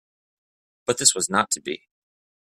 But this was not to be.